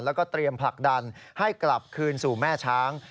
แล้วก็เตรียมผลักดันให้กลับคืนสู่แม่ช้าง